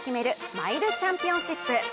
マイルチャンピオンシップ。